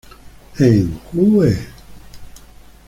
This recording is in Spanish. En Jue.